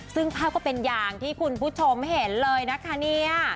ซึ่งภาพก็เป็นอย่างที่คุณผู้ชมเห็นเลยนะคะเนี่ย